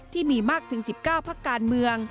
ที่มีมากถึง๑๙พักการเมือง